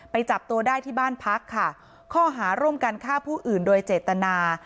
จับตัวได้ที่บ้านพักค่ะข้อหาร่วมกันฆ่าผู้อื่นโดยเจตนา